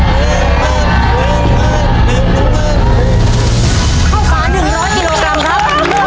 ข้าวสาร๑๐๐กิโลกรัมครับ